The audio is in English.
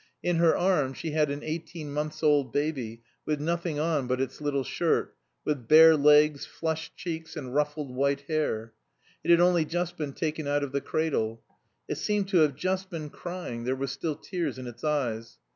In her arms she had an eighteen months old baby, with nothing on but its little shirt; with bare legs, flushed cheeks, and ruffled white hair. It had only just been taken out of the cradle. It seemed to have just been crying; there were still tears in its eyes.